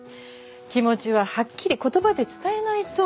気持ちははっきり言葉で伝えないと。